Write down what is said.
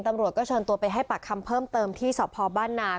ตำรวจก็เชิญตัวไปให้ปากคำเพิ่มเติมที่สพบ้านนา